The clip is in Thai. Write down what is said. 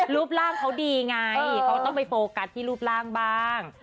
รูปร่างเขาดีไงเขาต้องไปโฟกัสที่รูปร่างบ้าง